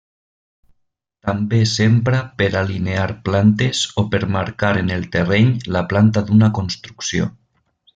També s'empra per alinear plantes o per marcar en el terreny la planta d'una construcció.